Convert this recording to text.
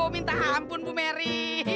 minta ampun bu merry